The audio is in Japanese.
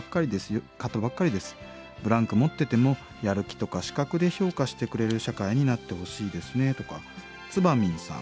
ブランク持っててもやる気とか資格で評価してくれる社会になってほしいですね」とかつばみんさん